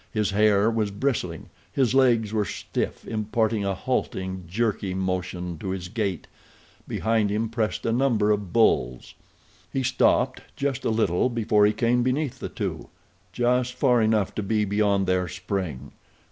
His hair was bristling. His legs were stiff, imparting a halting, jerky motion to his gait. Behind him pressed a number of bulls. He stopped just a little before he came beneath the two—just far enough to be beyond their spring.